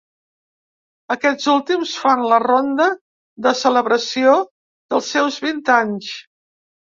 Aquests últims fan la ronda de celebració dels seus vint anys.